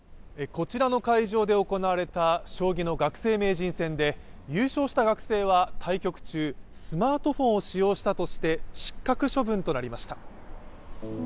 こちらの会場で行われた将棋の学生名人戦で優勝した学生は対局中スマートフォンを使用したとして、失格処分となりました。